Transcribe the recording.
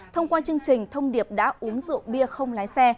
thông qua chương trình thông điệp đã uống rượu bia không lái xe